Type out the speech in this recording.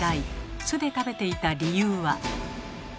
酢で食べていた理由は。